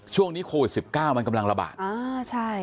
ช่วงนี้โควิด๑๙มันกำลังระบาด